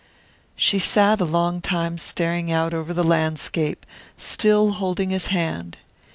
She sat a long time staring out over the landscape, still holding his hand.